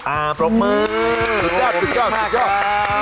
อ่าปรบมือสุดยอดสุดยอด